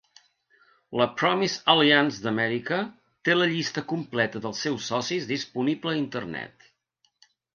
La Promise Alliance d'Amèrica té la llista completa dels seus socis disponible a Internet.